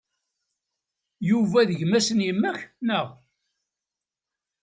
Yuba d gma-s n yemma-k, naɣ?